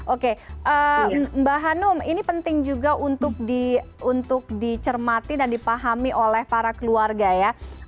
oke mbak hanum ini penting juga untuk dicermati dan dipahami oleh para keluarga ya